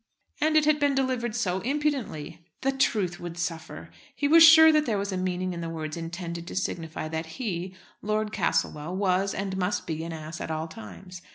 And it had been delivered so impudently! "The truth would suffer!" He was sure that there was a meaning in the words intended to signify that he, Lord Castlewell, was and must be an ass at all times.